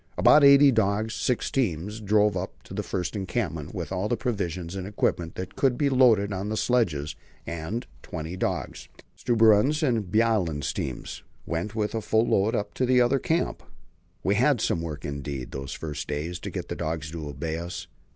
About eighty dogs six teams drove up to the first encampment with all the provisions and equipment that could be loaded on the sledges, and twenty dogs Stubberud's and Bjaaland's teams went with a full load up to the other camp. We had some work indeed, those first days, to get the dogs to obey us.